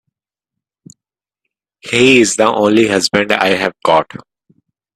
He's the only husband I've got.